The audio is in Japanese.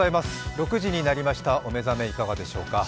６時になりました、お目覚めいかがですか。